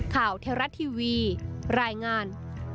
เทวรัฐทีวีรายงาน